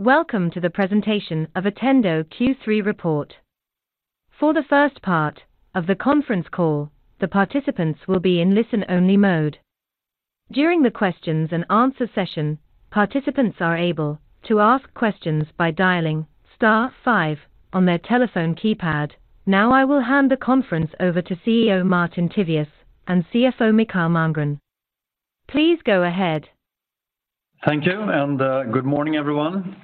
Welcome to the presentation of Attendo Q3 report. For the first part of the conference call, the participants will be in listen-only mode. During the questions and answer session, participants are able to ask questions by dialing star five on their telephone keypad. Now, I will hand the conference over to CEO Martin Tivéus, and CFO Mikael Malmgren. Please go ahead. Thank you, and good morning, everyone.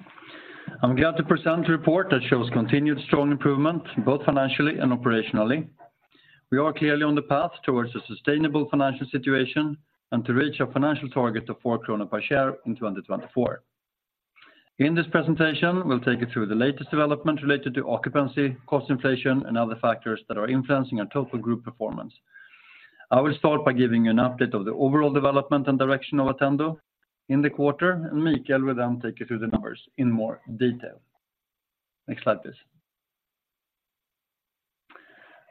I'm glad to present a report that shows continued strong improvement, both financially and operationally. We are clearly on the path towards a sustainable financial situation, and to reach a financial target of 4 krona per share in 2024. In this presentation, we'll take you through the latest development related to occupancy, cost inflation, and other factors that are influencing our total group performance. I will start by giving you an update of the overall development and direction of Attendo in the quarter, and Mikael will then take you through the numbers in more detail. Next slide, please.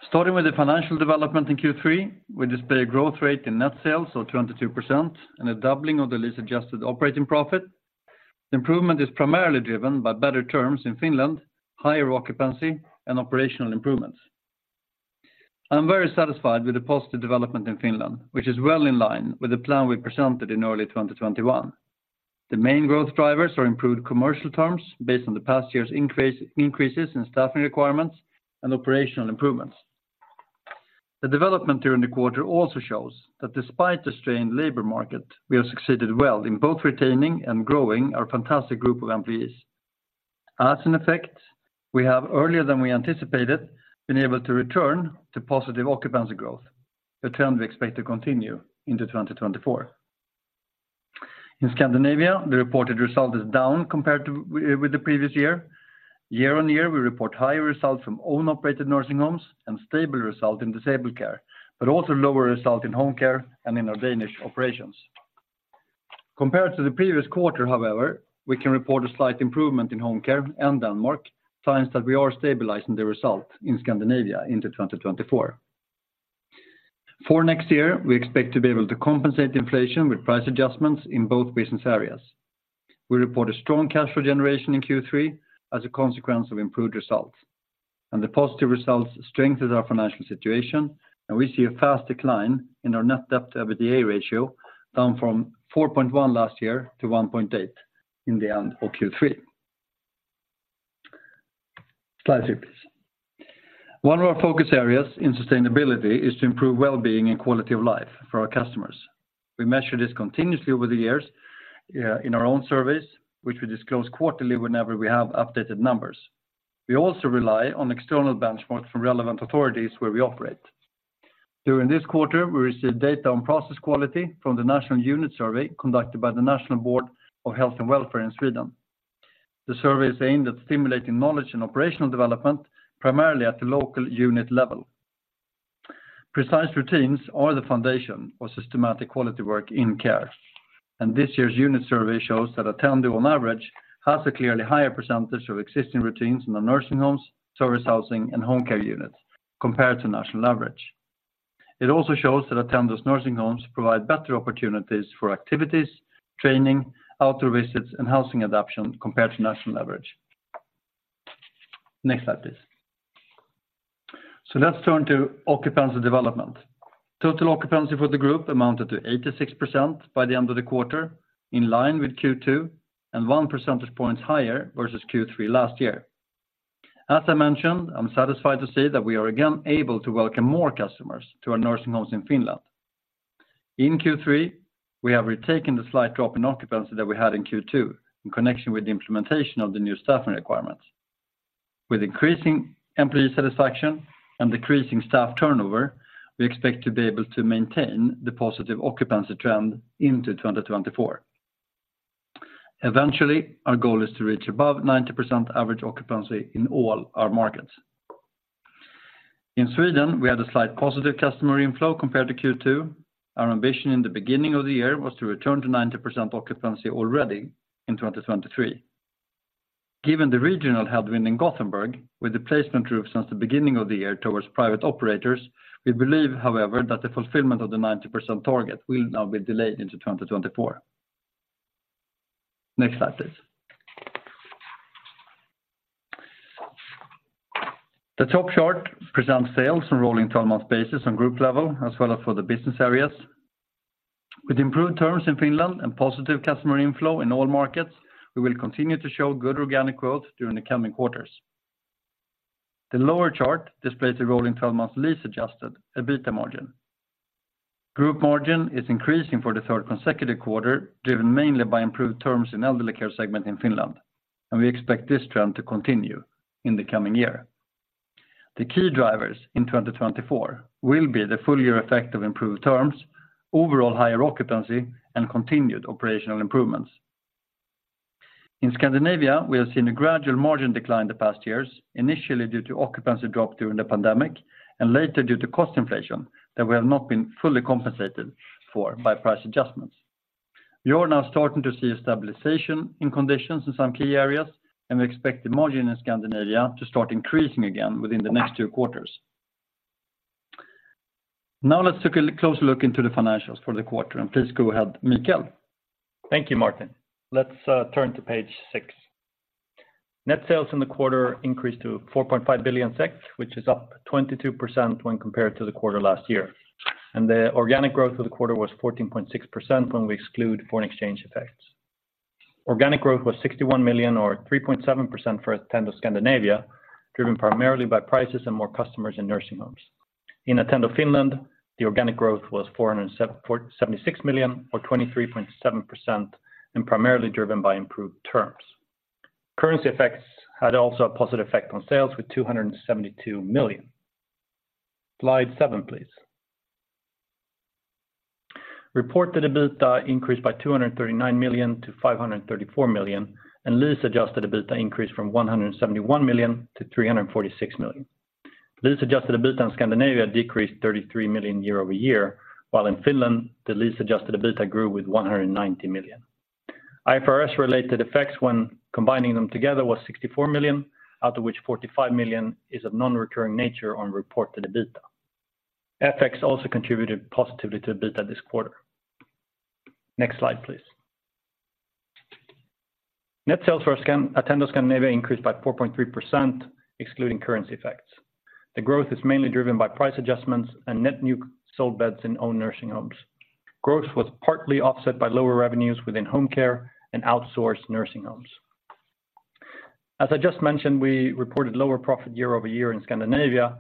Starting with the financial development in Q3, we display a growth rate in net sales of 22%, and a doubling of the lease-adjusted operating profit. Improvement is primarily driven by better terms in Finland, higher occupancy, and operational improvements. I'm very satisfied with the positive development in Finland, which is well in line with the plan we presented in early 2021. The main growth drivers are improved commercial terms based on the past year's increases in staffing requirements and operational improvements. The development during the quarter also shows that despite the strained labor market, we have succeeded well in both retaining and growing our fantastic group of employees. As an effect, we have earlier than we anticipated, been able to return to positive occupancy growth, a trend we expect to continue into 2024. In Scandinavia, the reported result is down compared with the previous year. Year-on-year, we report higher results from own-operated nursing homes and stable result in disabled care, but also lower result in home care and in our Danish operations. Compared to the previous quarter, however, we can report a slight improvement in home care and Denmark, signs that we are stabilizing the result in Scandinavia into 2024. For next year, we expect to be able to compensate inflation with price adjustments in both business areas. We report a strong cash flow generation in Q3 as a consequence of improved results, and the positive results strengthen our financial situation, and we see a fast decline in our net debt to EBITDA ratio, down from 4.1% last year to 1.8% in the end of Q3. Slide, please. One of our focus areas in sustainability is to improve well-being and quality of life for our customers. We measure this continuously over the years in our own surveys, which we disclose quarterly whenever we have updated numbers. We also rely on external benchmarks from relevant authorities where we operate. During this quarter, we received data on process quality from the National Unit Survey, conducted by the National Board of Health and Welfare in Sweden. The survey is aimed at stimulating knowledge and operational development, primarily at the local unit level. Precise routines are the foundation of systematic quality work in care, and this year's unit survey shows that Attendo, on average, has a clearly higher percentage of existing routines in the nursing homes, service housing, and home care units compared to national average. It also shows that Attendo's nursing homes provide better opportunities for activities, training, outdoor visits, and housing adaptation compared to national average. Next slide, please. So let's turn to occupancy development. Total occupancy for the group amounted to 86% by the end of the quarter, in line with Q2, and one percentage point higher versus Q3 last year. As I mentioned, I'm satisfied to see that we are again able to welcome more customers to our nursing homes in Finland. In Q3, we have retaken the slight drop in occupancy that we had in Q2, in connection with the implementation of the new staffing requirements. With increasing employee satisfaction and decreasing staff turnover, we expect to be able to maintain the positive occupancy trend into 2024. Eventually, our goal is to reach above 90% average occupancy in all our markets. In Sweden, we had a slight positive customer inflow compared to Q2. Our ambition in the beginning of the year was to return to 90% occupancy already in 2023. Given the regional headwind in Gothenburg, with the placement roof since the beginning of the year towards private operators, we believe, however, that the fulfillment of the 90% target will now be delayed into 2024. Next slide, please. The top chart presents sales on a rolling 12-month basis on group level, as well as for the business areas. With improved terms in Finland and positive customer inflow in all markets, we will continue to show good organic growth during the coming quarters. The lower chart displays the rolling 12-month lease-adjusted EBITDA margin. Group margin is increasing for the third consecutive quarter, driven mainly by improved terms in elderly care segment in Finland, and we expect this trend to continue in the coming year. The key drivers in 2024 will be the full year effect of improved terms, overall higher occupancy, and continued operational improvements. In Scandinavia, we have seen a gradual margin decline in the past years, initially due to occupancy drop during the pandemic, and later due to cost inflation, that we have not been fully compensated for by price adjustments. We are now starting to see a stabilization in conditions in some key areas, and we expect the margin in Scandinavia to start increasing again within the next two quarters. Now let's take a closer look into the financials for the quarter, and please go ahead, Mikael. Thank you, Martin. Let's turn to page six. Net sales in the quarter increased to 4.5 billion SEK, which is up 22% when compared to the quarter last year. The organic growth of the quarter was 14.6% when we exclude foreign exchange effects. Organic growth was 61 million or 3.7% for Attendo Scandinavia, driven primarily by prices and more customers in nursing homes. In Attendo Finland, the organic growth was 476 million or 23.7%, and primarily driven by improved terms. Currency effects had also a positive effect on sales with 272 million. Slide seven, please. Reported EBITDA increased by 239 million-534 million, and lease-adjusted EBITDA increased from 171 million-346 million. Lease-adjusted EBITDA in Scandinavia decreased 33 million year-over-year, while in Finland, the lease-adjusted EBITDA grew with 190 million. IFRS-related effects when combining them together was 64 million, out of which 45 million is of non-recurring nature on reported EBITDA. FX also contributed positively to EBITDA this quarter. Next slide, please. Net sales for Attendo Scandinavia increased by 4.3%, excluding currency effects. The growth is mainly driven by price adjustments and net new sold beds in own nursing homes. Growth was partly offset by lower revenues within home care and outsourced nursing homes. As I just mentioned, we reported lower profit year-over-year in Scandinavia.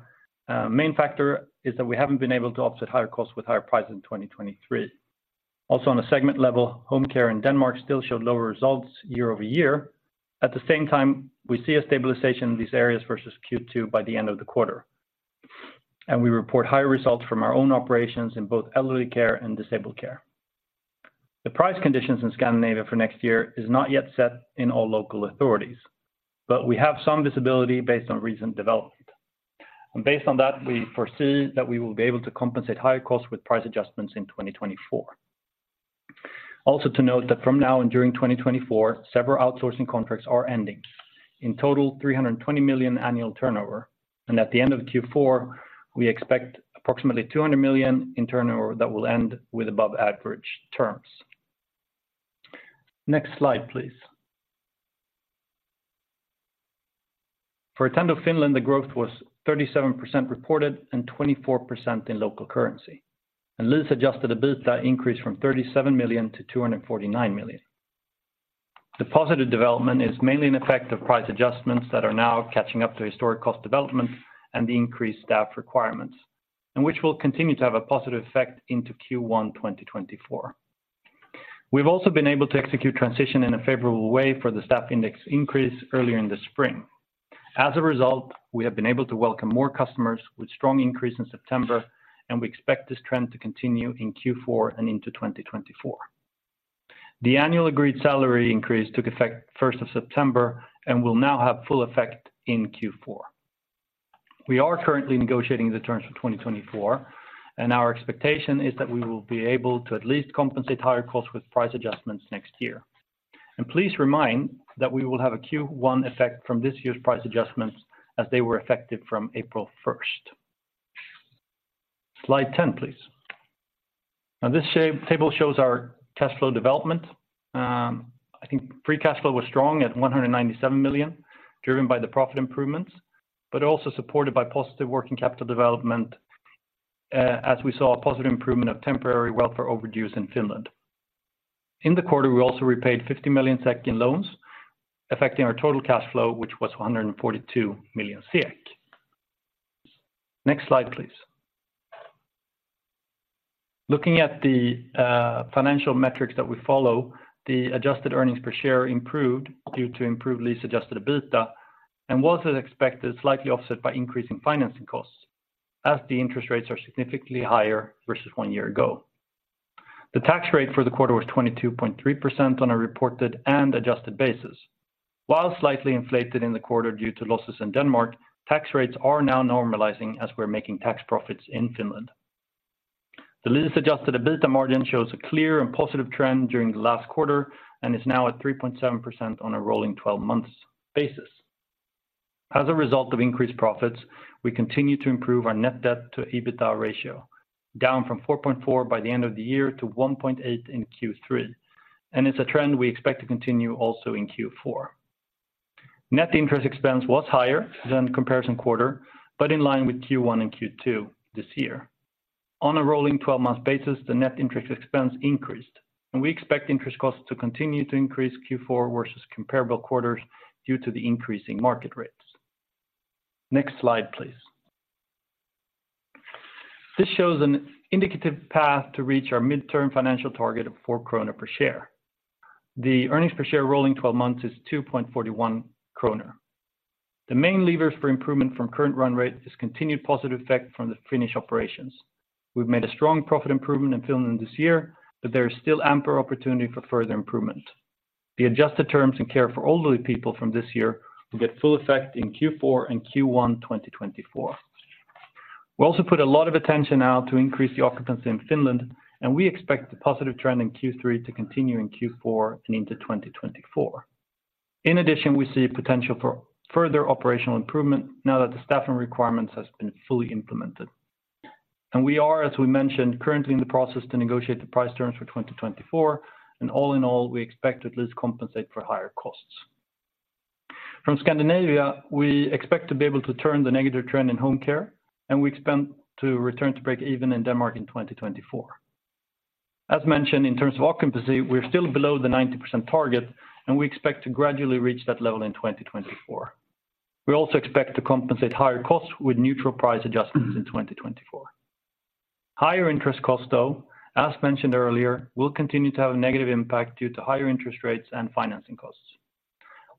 Main factor is that we haven't been able to offset higher costs with higher prices in 2023. Also, on a segment level, home care in Denmark still showed lower results year-over-year. At the same time, we see a stabilization in these areas versus Q2 by the end of the quarter. We report higher results from our own operations in both elderly care and disabled care. The price conditions in Scandinavia for next year is not yet set in all local authorities, but we have some visibility based on recent development. Based on that, we foresee that we will be able to compensate higher costs with price adjustments in 2024. Also to note that from now and during 2024, several outsourcing contracts are ending. In total, 320 million annual turnover, and at the end of Q4, we expect approximately 200 million in turnover that will end with above-average terms. Next slide, please. For Attendo Finland, the growth was 37% reported and 24% in local currency. Lease-adjusted EBITDA increased from 37 million-249 million. The positive development is mainly an effect of price adjustments that are now catching up to historic cost development and the increased staff requirements, and which will continue to have a positive effect into Q1 2024. We've also been able to execute transition in a favorable way for the staff index increase earlier in the spring. As a result, we have been able to welcome more customers with strong increase in September, and we expect this trend to continue in Q4 and into 2024. The annual agreed salary increase took effect first of September and will now have full effect in Q4. We are currently negotiating the terms for 2024, and our expectation is that we will be able to at least compensate higher costs with price adjustments next year. Please remind that we will have a Q1 effect from this year's price adjustments as they were effective from April 1st. Slide 10, please. Now, this table shows our cash flow development. I think free cash flow was strong at 197 million, driven by the profit improvements, but also supported by positive working capital development, as we saw a positive improvement of temporary welfare overdues in Finland. In the quarter, we also repaid 50 million SEK in loans, affecting our total cash flow, which was 142 million SEK. Next slide, please. Looking at the financial metrics that we follow, the adjusted earnings per share improved due to improved lease-adjusted EBITDA, and was, as expected, slightly offset by increasing financing costs, as the interest rates are significantly higher versus one year ago. The tax rate for the quarter was 22.3% on a reported and adjusted basis. While slightly inflated in the quarter due to losses in Denmark, tax rates are now normalizing as we're making tax profits in Finland. The lease-adjusted EBITDA margin shows a clear and positive trend during the last quarter and is now at 3.7% on a rolling 12-months basis. As a result of increased profits, we continue to improve our net debt to EBITDA ratio, down from 4.4% by the end of the year to 1.8% in Q3, and it's a trend we expect to continue also in Q4. Net interest expense was higher than comparison quarter, but in line with Q1 and Q2 this year. On a rolling 12-month basis, the net interest expense increased, and we expect interest costs to continue to increase Q4 versus comparable quarters due to the increasing market rates. Next slide, please. This shows an indicative path to reach our midterm financial target of SEK 4 per share. The earnings per share rolling 12-months is 2.41 kronor. The main lever for improvement from current run rate is continued positive effect from the Finnish operations. We've made a strong profit improvement in Finland this year, but there is still ample opportunity for further improvement. The adjusted terms in care for elderly people from this year will get full effect in Q4 and Q1 2024. We also put a lot of attention now to increase the occupancy in Finland, and we expect the positive trend in Q3 to continue in Q4 and into 2024. In addition, we see potential for further operational improvement now that the staffing requirements has been fully implemented. We are, as we mentioned, currently in the process to negotiate the price terms for 2024, and all in all, we expect at least compensate for higher costs. From Scandinavia, we expect to be able to turn the negative trend in home care, and we expect to return to break even in Denmark in 2024. As mentioned, in terms of occupancy, we're still below the 90% target, and we expect to gradually reach that level in 2024. We also expect to compensate higher costs with neutral price adjustments in 2024. Higher interest costs, though, as mentioned earlier, will continue to have a negative impact due to higher interest rates and financing costs.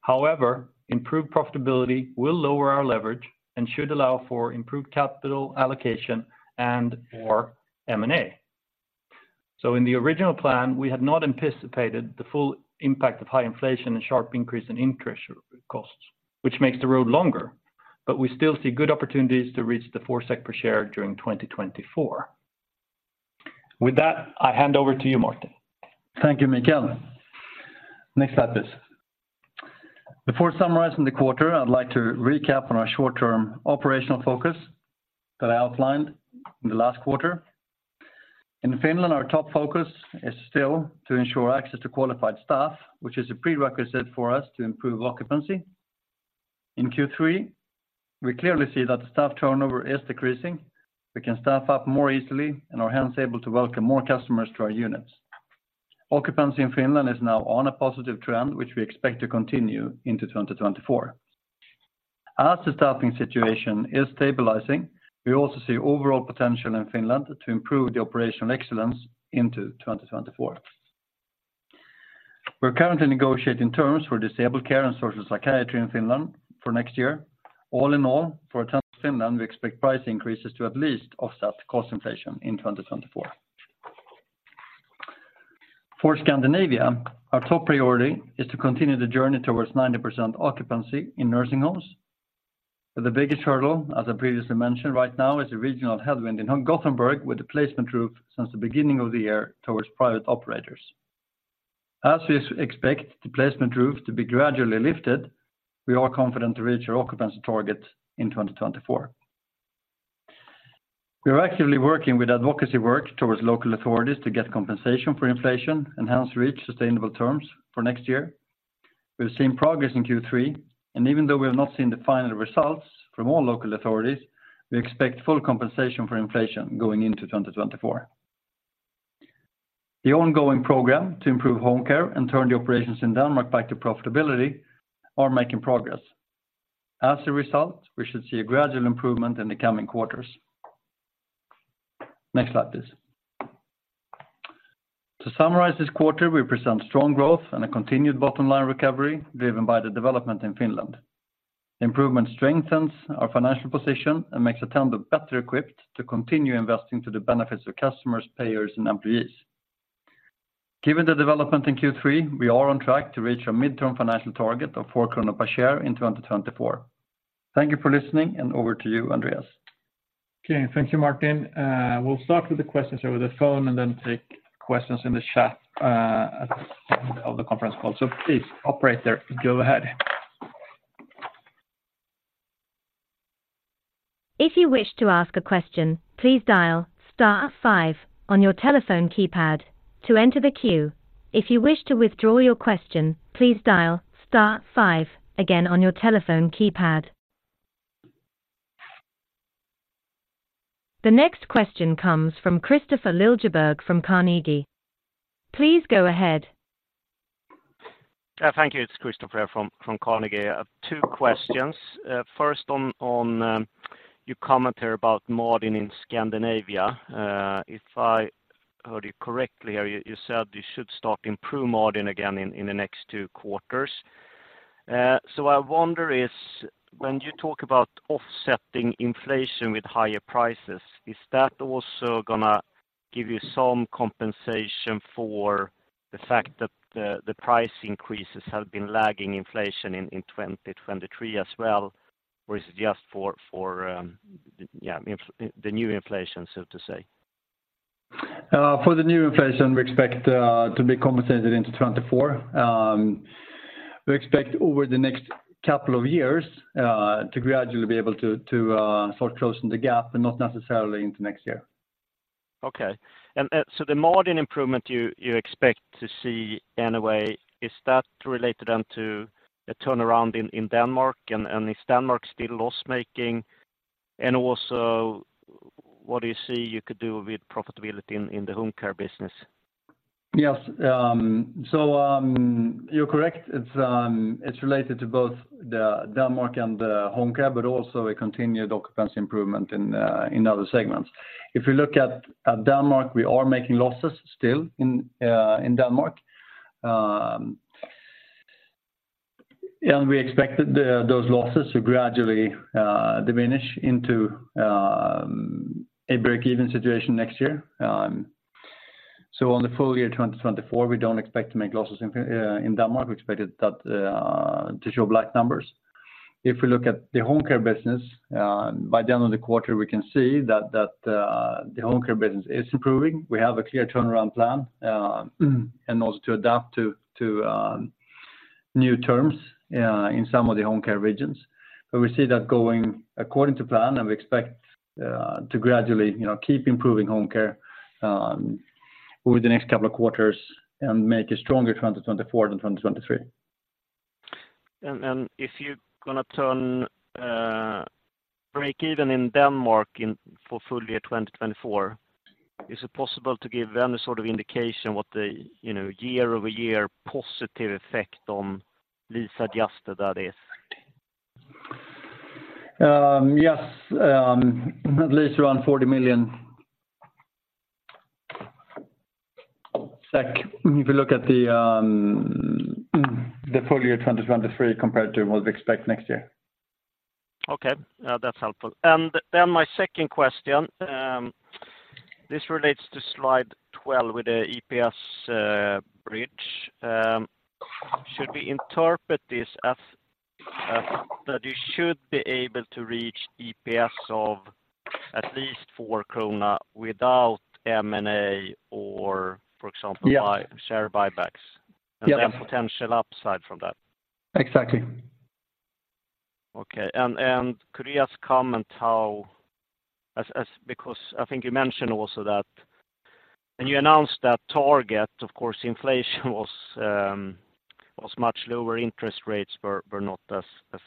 However, improved profitability will lower our leverage and should allow for improved capital allocation and more M&A. So in the original plan, we had not anticipated the full impact of high inflation and sharp increase in interest costs, which makes the road longer, but we still see good opportunities to reach the 4 SEK per share during 2024. With that, I hand over to you, Martin. Thank you, Mikael. Next slide, please. Before summarizing the quarter, I'd like to recap on our short-term operational focus that I outlined in the last quarter. In Finland, our top focus is still to ensure access to qualified staff, which is a prerequisite for us to improve occupancy. In Q3, we clearly see that the staff turnover is decreasing. We can staff up more easily and are hence able to welcome more customers to our units. Occupancy in Finland is now on a positive trend, which we expect to continue into 2024. As the staffing situation is stabilizing, we also see overall potential in Finland to improve the operational excellence into 2024. We're currently negotiating terms for disabled care and social psychiatry in Finland for next year. All in all, for Finland, we expect price increases to at least offset cost inflation in 2024. For Scandinavia, our top priority is to continue the journey towards 90% occupancy in nursing homes. But the biggest hurdle, as I previously mentioned, right now, is the regional headwind in Gothenburg, with the placement roof since the beginning of the year towards private operators. As we expect the placement roof to be gradually lifted, we are confident to reach our occupancy target in 2024. We are actively working with advocacy work towards local authorities to get compensation for inflation and hence reach sustainable terms for next year. We've seen progress in Q3, and even though we have not seen the final results from all local authorities, we expect full compensation for inflation going into 2024. The ongoing program to improve home care and turn the operations in Denmark back to profitability are making progress. As a result, we should see a gradual improvement in the coming quarters. Next slide, please. To summarize this quarter, we present strong growth and a continued bottom-line recovery driven by the development in Finland. Improvement strengthens our financial position and makes Attendo better equipped to continue investing to the benefits of customers, payers, and employees. Given the development in Q3, we are on track to reach a midterm financial target of 4 krona per share in 2024. Thank you for listening, and over to you, Andreas. Okay, thank you, Martin. We'll start with the questions over the phone and then take questions in the chat, at the end of the conference call. Please, operator, go ahead. If you wish to ask a question, please dial star five on your telephone keypad to enter the queue. If you wish to withdraw your question, please dial star five again on your telephone keypad. The next question comes from Kristofer Liljeberg from Carnegie. Please go ahead. Thank you. It's Christopher from Carnegie. I have two questions. First, on your commentary about margin in Scandinavia. If I heard you correctly, you said you should start improve margin again in the next two quarters. So I wonder is when you talk about offsetting inflation with higher prices, is that also gonna give you some compensation for the fact that the price increases have been lagging inflation in 2023 as well? Or is it just for the new inflation, so to say? For the new inflation, we expect to be compensated into 2024. We expect over the next couple of years to gradually be able to start closing the gap and not necessarily into next year. Okay. So the margin improvement you expect to see anyway, is that related then to a turnaround in Denmark, and is Denmark still loss-making? And also, what do you see you could do with profitability in the home care business? Yes, so you're correct. It's related to both the Denmark and the home care, but also a continued occupancy improvement in other segments. If you look at Denmark, we are making losses still in Denmark. And we expect those losses to gradually diminish into a break-even situation next year. So on the full year 2024, we don't expect to make losses in Denmark. We expected that to show black numbers. If we look at the home care business by the end of the quarter, we can see that the home care business is improving. We have a clear turnaround plan and also to adapt to new terms in some of the home care regions. But we see that going according to plan, and we expect to gradually, you know, keep improving home care over the next couple of quarters and make a stronger 2024 than 2023. If you're gonna turn break even in Denmark for full year 2024, is it possible to give any sort of indication what the, you know, year-over-year positive effect on lease adjusted that is? Yes, at least around 40 million, if you look at the full year 2023 compared to what we expect next year. Okay, that's helpful. And then my second question, this relates to slide 12 with the EPS bridge. Should we interpret this as that you should be able to reach EPS of at least 4 krona without M&A or, for example- Yeah.... buy, share buybacks? Yeah. And then potential upside from that. Exactly. Okay. And could you just comment how, because I think you mentioned also that when you announced that target, of course, inflation was much lower, interest rates were not as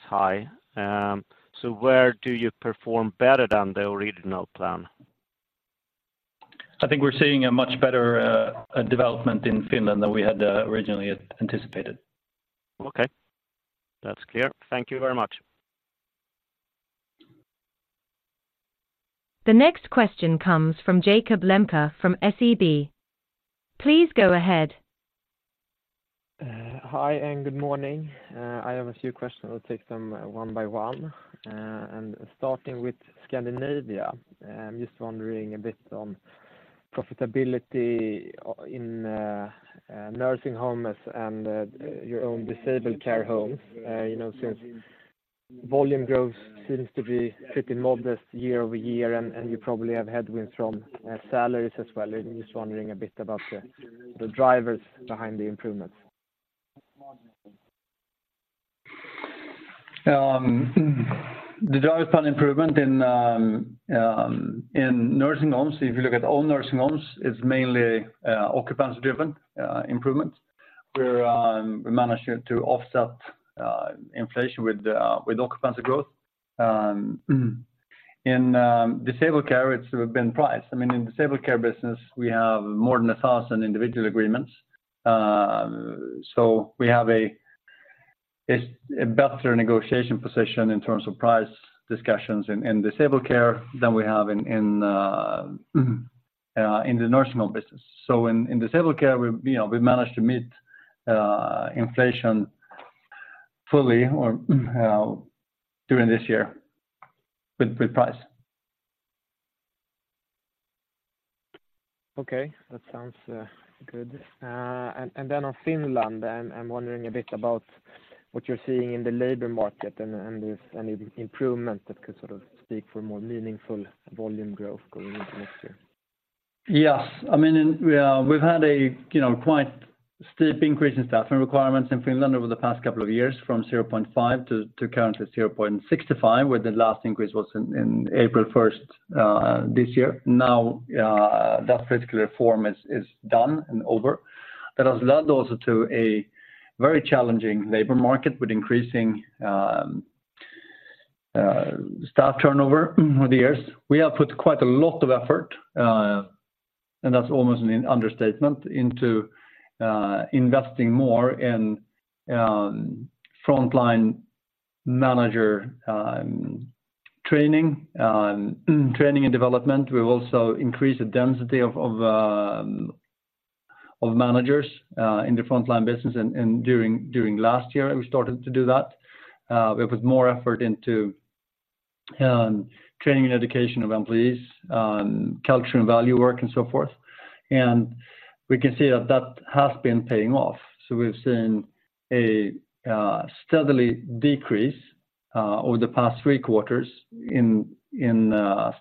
high. So where do you perform better than the original plan? I think we're seeing a much better development in Finland than we had originally anticipated. Okay. That's clear. Thank you very much. The next question comes from Jakob Lembke from SEB. Please go ahead. Hi, and good morning. I have a few questions. I'll take them one by one. And starting with Scandinavia, just wondering a bit on profitability in nursing homes and your own disabled care homes. You know, since volume growth seems to be pretty modest year-over-year, and you probably have headwinds from salaries as well. I'm just wondering a bit about the drivers behind the improvements. The drivers plan improvement in nursing homes, if you look at all nursing homes, it's mainly occupancy-driven improvements, where we managed to offset inflation with occupancy growth. In disabled care, it's been priced. I mean, in disabled care business, we have more than 1,000 individual agreements. So we have a better negotiation position in terms of price discussions in disabled care than we have in the nursing home business. So in disabled care, you know, we've managed to meet inflation fully or during this year with price. Okay. That sounds good. And then on Finland, I'm wondering a bit about what you're seeing in the labor market, and if any improvement that could sort of speak for more meaningful volume growth going into next year? Yes. I mean, we've had a, you know, quite steep increase in staffing requirements in Finland over the past couple of years, from 0.5% to currently 0.65%, where the last increase was in April 1st, this year. Now, that particular form is done and over. That has led also to a very challenging labor market with increasing staff turnover over the years. We have put quite a lot of effort, and that's almost an understatement, into investing more in frontline manager training and development. We've also increased the density of managers in the frontline business, and during last year, we started to do that. It was more effort into training and education of employees, culture and value work and so forth. And we can see that that has been paying off. So we've seen a steadily decrease over the past three quarters in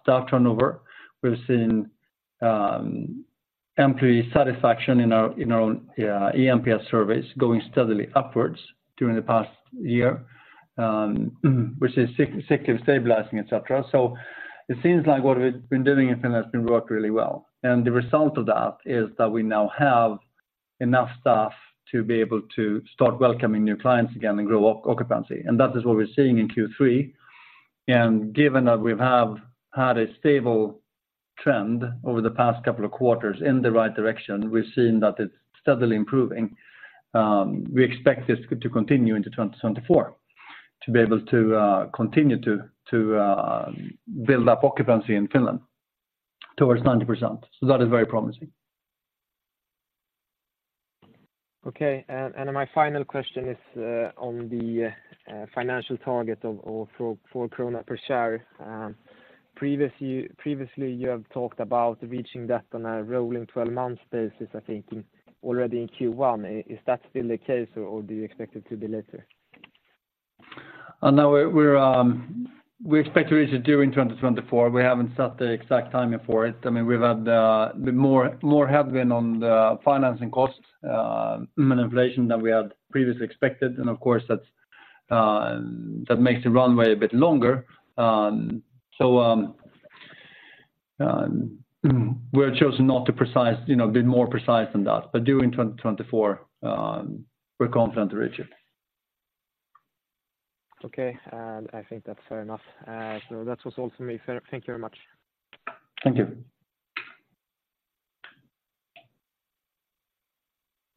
staff turnover. We've seen employee satisfaction in our eNPS surveys going steadily upwards during the past year, which is sick and stabilizing, et cetera. So it seems like what we've been doing in Finland has been worked really well. And the result of that is that we now have enough staff to be able to start welcoming new clients again and grow occupancy. And that is what we're seeing in Q3. And given that we have had a stable trend over the past couple of quarters in the right direction, we've seen that it's steadily improving. We expect this to continue into 2024, to be able to continue to build up occupancy in Finland towards 90%. So that is very promising. Okay. And my final question is on the financial target of 4 krona per share previously you have talked about reaching that on a rolling 12-month basis, I think, already in Q1. Is that still the case, or do you expect it to be later? No, we expect to reach it during 2024. We haven't set the exact timing for it. I mean, we've had more headwind on the financing costs and inflation than we had previously expected, and of course, that makes the runway a bit longer. So, we have chosen not to precise, you know, a bit more precise than that, but during 2024, we're confident to reach it. Okay, and I think that's fair enough. So that was all for me. Thank you very much. Thank you.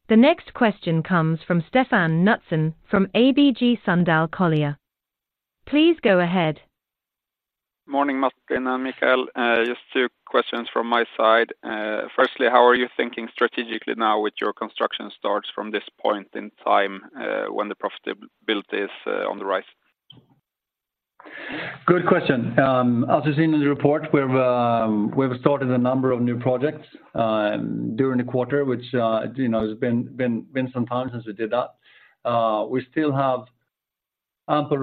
The next question comes from Stefan Knutsson from ABG Sundal Collier. Please go ahead. Morning, Martin and Mikael. Just two questions from my side. Firstly, how are you thinking strategically now with your construction starts from this point in time, when the profitability is on the rise? Good question. As you seen in the report, we've, we've started a number of new projects, during the quarter, which, you know, has been some time since we did that. We still have ample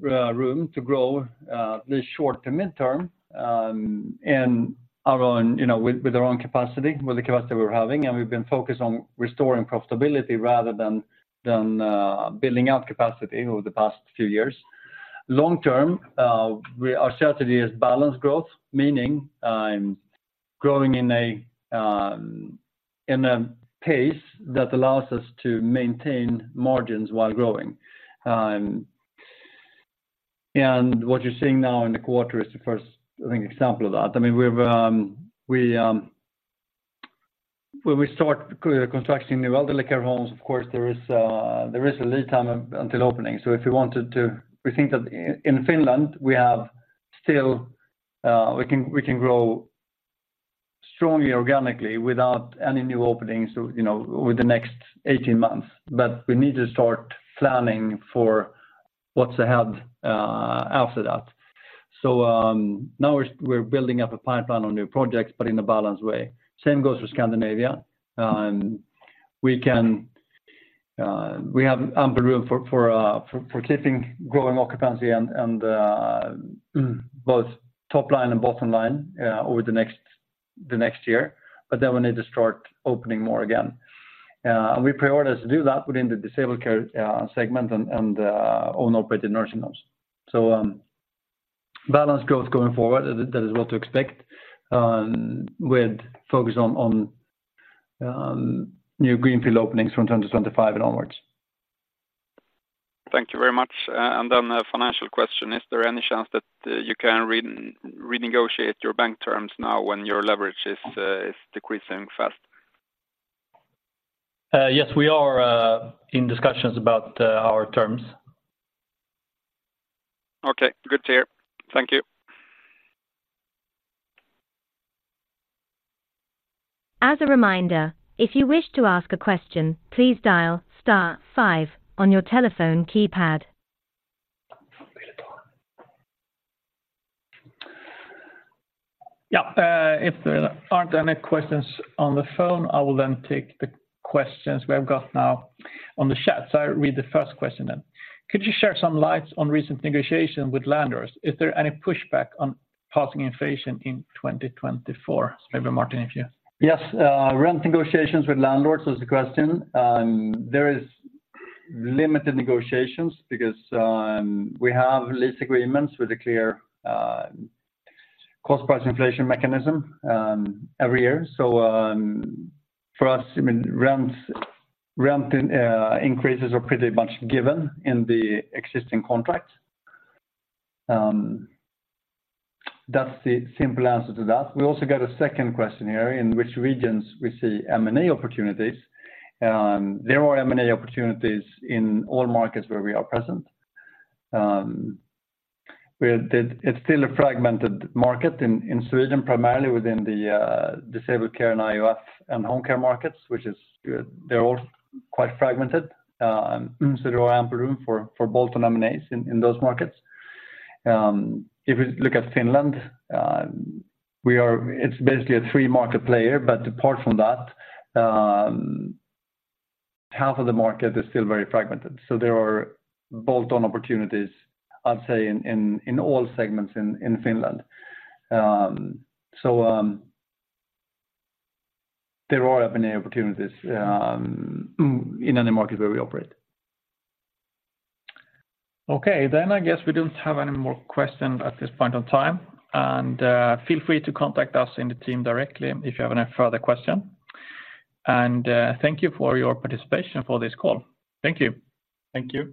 room to grow, the short to mid-term, in our own, you know, with, with our own capacity, with the capacity we're having, and we've been focused on restoring profitability rather than building out capacity over the past few years. Long term, our strategy is balanced growth, meaning, growing in a pace that allows us to maintain margins while growing. And what you're seeing now in the quarter is the first, I think, example of that. I mean, we've when we start construction in the elderly care homes, of course, there is a lead time until opening. So if you wanted to... We think that in Finland, we have still we can grow strongly organically without any new openings, so, you know, over the next 18 months. But we need to start planning for what's ahead after that. So, now we're building up a pipeline on new projects, but in a balanced way. Same goes for Scandinavia, and we can we have ample room for keeping growing occupancy and both top line and bottom line over the next year, but then we need to start opening more again. We prioritize to do that within the disabled care segment and own operated nursing homes. So, balanced growth going forward, that is what to expect, with focus on new greenfield openings from 2025 and onwards. Thank you very much. And then a financial question: Is there any chance that you can renegotiate your bank terms now when your leverage is decreasing fast? Yes, we are in discussions about our terms. Okay, good to hear. Thank you. As a reminder, if you wish to ask a question, please dial star five on your telephone keypad. Yeah, if there aren't any questions on the phone, I will then take the questions we have got now on the chat. So I read the first question then. Could you shed some light on recent negotiations with landlords? Is there any pushback on passing inflation in 2024? Maybe Martin, if you? Yes, rent negotiations with landlords was the question. There is limited negotiations because, we have lease agreements with a clear, cost-price inflation mechanism, every year. So, for us, I mean, rents, rent, increases are pretty much given in the existing contracts. That's the simple answer to that. We also got a second question here, in which regions we see M&A opportunities. There are M&A opportunities in all markets where we are present. It's still a fragmented market in, in Sweden, primarily within the, disabled care and I&F and home care markets, which is, they're all quite fragmented. So there are ample room for, for bolt-on M&As in, in those markets. If you look at Finland, it's basically a three-market player, but apart from that, half of the market is still very fragmented. So there are bolt-on opportunities, I'd say, in all segments in Finland. So, there are M&A opportunities in any market where we operate. Okay. Then I guess we don't have any more questions at this point in time. And feel free to contact us in the team directly if you have any further question. And thank you for your participation for this call. Thank you. Thank you.